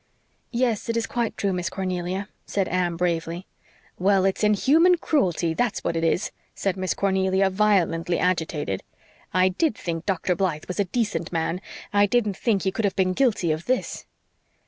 "Yes, it is quite true, Miss Cornelia," said Anne bravely. "Well, it's inhuman cruelty, that's what it is," said Miss Cornelia, violently agitated. "I did think Dr. Blythe was a decent man. I didn't think he could have been guilty of this."